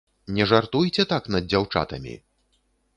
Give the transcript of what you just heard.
Не жартуйце так над дзяўчатамі!